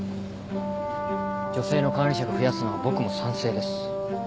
女性の管理職増やすのは僕も賛成です。